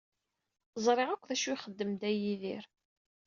Ẓriɣ akk d acu i ixeddem Dda Yidir.